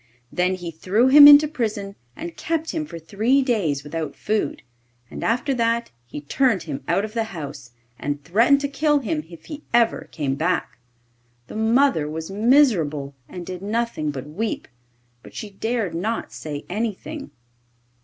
Then he threw him into prison and kept him for three days without food, and after that he turned him out of the house, and threatened to kill him if he ever came back. The mother was miserable, and did nothing but weep, but she dared not say anything.